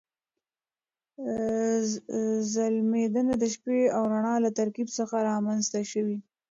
ځلېدنه د شپې او رڼا له ترکیب څخه رامنځته شوې.